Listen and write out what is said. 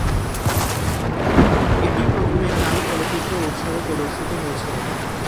এটি প্রথমে কান চলচ্চিত্র উৎসব-এ প্রদর্শিত হয়েছিলো।